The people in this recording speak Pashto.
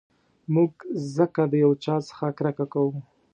موږ ځکه د یو چا څخه کرکه کوو.